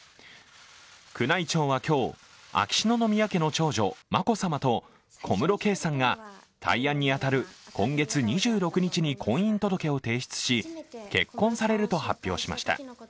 宮内庁は今日、秋篠宮家の長女・眞子さまと小室圭さんが大安に当たる今月２６日に婚姻届を提出し結婚されると発表しました。